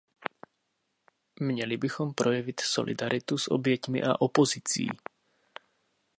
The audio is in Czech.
Měli bychom projevit solidaritu s oběťmi a opozicí.